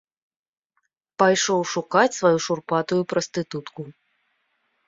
Пайшоў шукаць сваю шурпатую прастытутку.